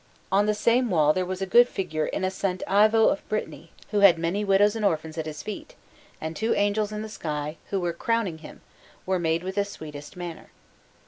On the same wall there was a good figure in a S. Ivo of Brittany, who had many widows and orphans at his feet, and two angels in the sky, who were crowning him, were made with the sweetest manner.